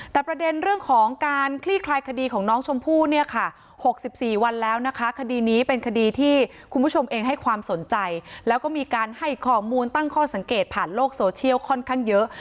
แต่ประเด็นเรื่องของการคลี่คลายคดีของน้องชมพู่เนี่ยค่ะ๖๔วันแล้วนะคะคดีนี้เป็นคดีที่คุณผู้ชมเองให้ความสนใจแล้วก็มีการให้ข้อมูลตั้งข้อสังเกตผ่านโลกโซเชียลค่อนข้างเยอะ